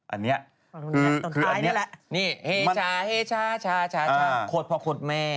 อันนี้คืออันนี้นี่เอช่าขดพอขดแม่